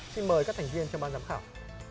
xin mời các thành viên cho bàn giám khảo